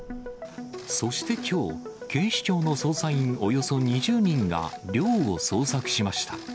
そしてきょう、警視庁の捜査員およそ２０人が寮を捜索しました。